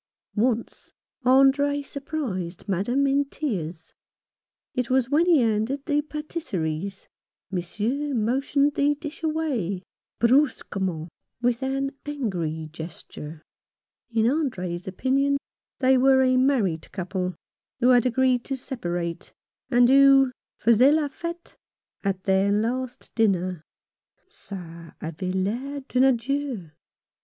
Once Andre surprised Madame in tears. It was when he handed the pattiseries, Monsieur motioned the dish away — brusquement, with an angry gesture. In Andre's opinion they were a married couple, who had agreed to separate, and who faisaient la fete at their last dinner. "Ca avait l'air d'un adieu.